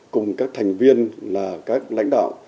cùng các thành viên là các lãnh đạo